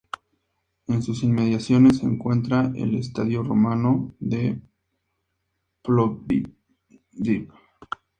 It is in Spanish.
En sus inmediaciones se encuentra el Estadio romano de Plovdiv.